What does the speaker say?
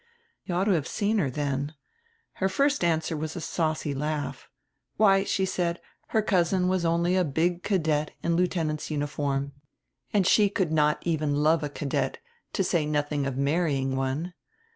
"You ought to have seen her then. Her first answer was a saucy laugh. Why, she said, her cousin was really only a big cadet in lieutenant's uniform. And she could not even love a cadet, to saying nothing of marrying one.